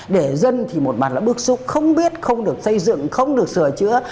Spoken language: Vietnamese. để dân thì một mặt là bước xuống không biết không được xây dựng không được sửa chữa